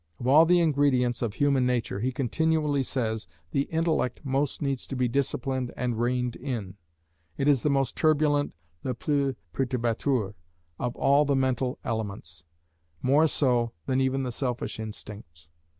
Of all the ingredients of human nature, he continually says, the intellect most needs to be disciplined and reined in. It is the most turbulent "le plus perturbateur," of all the mental elements; more so than even the selfish instincts.